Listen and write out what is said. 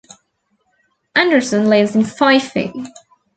Anderson lives in Fife.